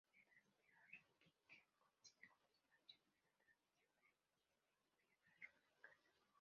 El estilo Ringerike coincide con la expansión de la tradición de erigir piedras rúnicas.